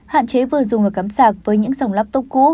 hạn chế vừa dùng ở cắm sạc với những dòng laptop cũ